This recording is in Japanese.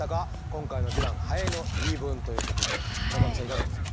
今回のヴィランハエの言い分ということで村上さんいかがですか？